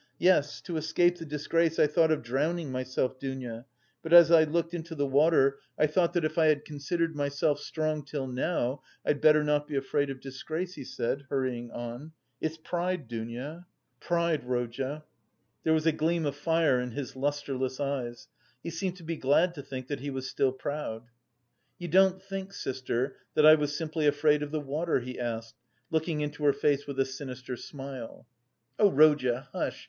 Yes, to escape the disgrace I thought of drowning myself, Dounia, but as I looked into the water, I thought that if I had considered myself strong till now I'd better not be afraid of disgrace," he said, hurrying on. "It's pride, Dounia." "Pride, Rodya." There was a gleam of fire in his lustreless eyes; he seemed to be glad to think that he was still proud. "You don't think, sister, that I was simply afraid of the water?" he asked, looking into her face with a sinister smile. "Oh, Rodya, hush!"